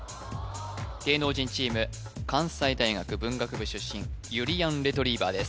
芸能人チーム関西大学文学部出身ゆりやんレトリィバァです